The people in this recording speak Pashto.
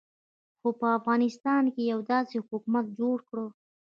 خو په افغانستان کې یې داسې حکومت جوړ کړ.